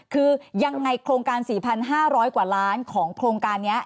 คือยังไงโครงการ๔๕๐๐กว่าล้านของโครงการนี้